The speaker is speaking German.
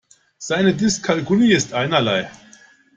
Seine Dyskalkulie ist einerlei.